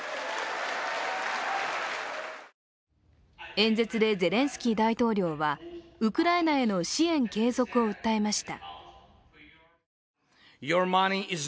演説でゼレンスキー大統領はウクライナへの支援継続を訴えました。